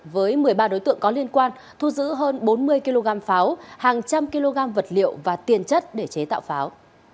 với một mươi ba đối tượng có liên quan thu giữ hơn bốn mươi kg pháo hàng trăm kg vật liệu và tiền chất để chế tạo pháo